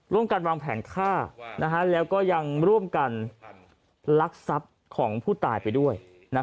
ร่วมกันวางแผนฆ่าแล้วก็ยังร่วมกันลักทรัพย์ของผู้ตายไปด้วย